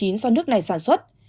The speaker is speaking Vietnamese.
do nước này sản xuất